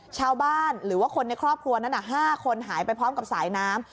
ชาวบ้านหรือว่าคนในครอบครัวนั้น๕คนหายไปพร้อมกับสายน้ำ